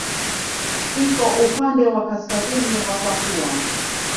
Kiko upande wa kaskazini wa Papua.